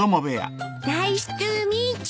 ナイストゥミーチュー。